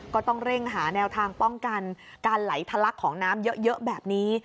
ก็ต้องเร่งหาแนวทางป้องกันการไหลทะลักของน้ำเยอะแบบนี้